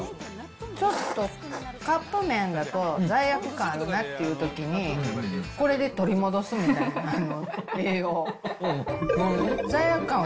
ちょっと、カップ麺だと罪悪感あるなっていうときに、これで取り戻すみたいな、栄養を。